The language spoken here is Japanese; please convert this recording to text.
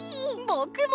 ぼくも！